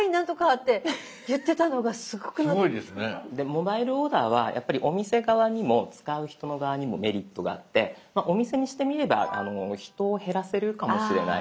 モバイルオーダーはやっぱりお店側にも使う人の側にもメリットがあってお店にしてみれば人を減らせるかもしれない。